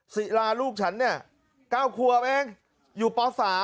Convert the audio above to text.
สิลาลูกฉันเนี่ยเก้าครัวไปเองอยู่ป๓